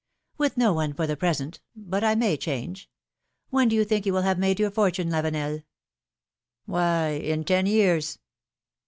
" With no one for the present, but I may change. When do you think you will have made your fortune, Lavenel?" " Why, in ten years."